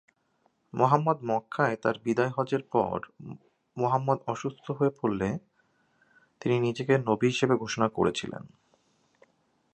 মুহাম্মাদ মক্কায় তার বিদায় হজ্জের পর মুহাম্মাদ অসুস্থ হয়ে পড়লে তিনি নিজেকে নবী হিসেবে ঘোষণা করেছিলেন।